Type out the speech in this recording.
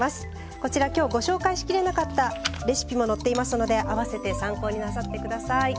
こちら今日ご紹介しきれなかったレシピも載っていますので併せて参考になさって下さい。